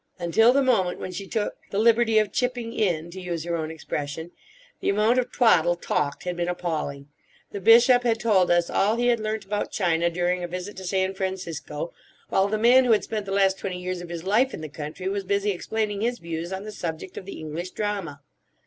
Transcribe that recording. Until the moment when she took "the liberty of chipping in," to use her own expression, the amount of twaddle talked had been appalling. The bishop had told us all he had learnt about China during a visit to San Francisco, while the man who had spent the last twenty years of his life in the country was busy explaining his views on the subject of the English drama.